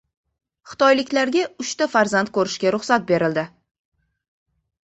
Xitoyliklarga uchta farzand ko‘rishga ruxsat berildi